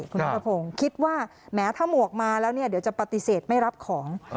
คุณนัทพงศ์คิดว่าแม้ถ้าหมวกมาแล้วเนี่ยเดี๋ยวจะปฏิเสธไม่รับของ